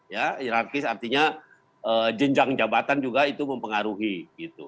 ya hirarkis artinya jenjang jabatan juga itu mempengaruhi gitu